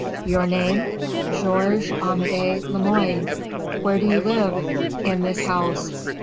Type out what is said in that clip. "Your name?" "George Amédé Lemoine." "Where do you live?" "In this house."